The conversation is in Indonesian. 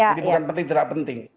jadi bukan penting tidak penting